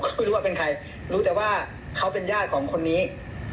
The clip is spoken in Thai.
คือผมไม่รู้ว่าเป็นใครรู้แต่ว่าเขาเป็นญาติของคนนี้ของเจ้าของบ้านหลังนี้